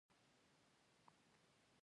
سیلوګانې باید ترمیم شي.